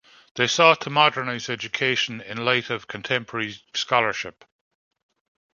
They sought to modernize education in light of contemporary scholarship.